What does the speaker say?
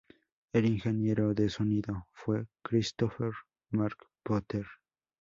El ingeniero de sonido fue Christopher Marc Potter.